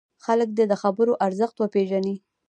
خلک دې د خبرو ارزښت وپېژني.